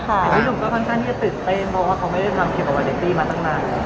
แต่พี่หนุ่มก็ค่อนข้างที่จะตื่นเต้นเพราะว่าเขาไม่ได้ทำเกี่ยวกับวาเดตตี้มาตั้งนาน